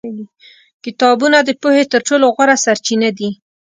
کتابونه د پوهې تر ټولو غوره سرچینه دي.